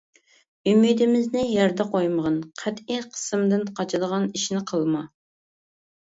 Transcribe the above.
ئۈمىدىمىزنى يەردە قويمىغىن، قەتئىي قىسىمدىن قاچىدىغان ئىشنى قىلما!